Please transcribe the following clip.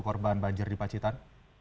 korban banjir di pacitan